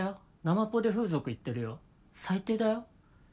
ナマポで風俗行ってるよ最低だよ。